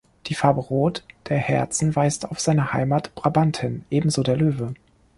Die Farbe „Rot“ der Herzen weist auf seine Heimat Brabant hin, ebenso der Löwe.